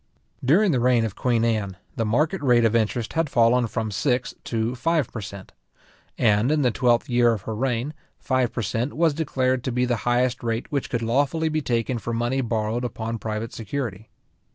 During the reign of queen Anne, the market rate of interest had fallen from six to five per cent.; and, in the twelfth year of her reign, five per cent. was declared to be the highest rate which could lawfully be taken for money borrowed upon private security.